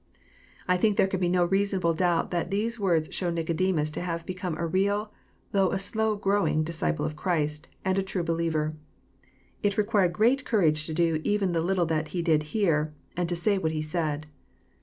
I think there can be no reasonable doubt that these words show Nicodemus to have become a real, though a slow growing disciple of Christ, and a true believer. It required great cour age to do even the little that be did here, and to say what he said.